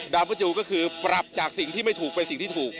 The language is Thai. พระจูก็คือปรับจากสิ่งที่ไม่ถูกเป็นสิ่งที่ถูก